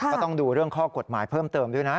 ก็ต้องดูเรื่องข้อกฎหมายเพิ่มเติมด้วยนะ